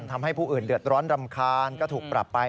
ทำให้ผู้อื่นเดือดร้อนรำคาญก็ถูกปรับไป